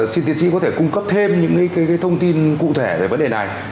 xin tiến sĩ có thể cung cấp thêm những thông tin cụ thể về vấn đề này